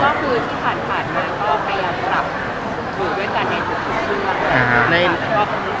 ก็คือที่ผ่านมาก็พยายามปรับอยู่ด้วยกันในทุกช่วง